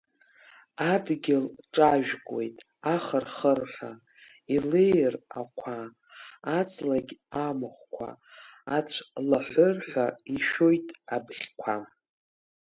Адгьыл ҿажәкуеит, ахыр-хырҳәа, илеир ақәа, аҵлагь амахәқәа ацәлаҳәырҳәа, ишәоит абӷьқәа!